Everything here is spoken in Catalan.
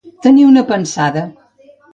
Tenir una pensada.